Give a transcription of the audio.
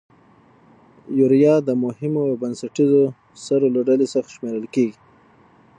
یوریا د مهمو او بنسټیزو سرو له ډلې څخه شمیرل کیږي.